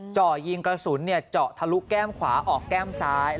เจาะยิงกระสุนเจาะทะลุแก้มขวาออกแก้มซ้าย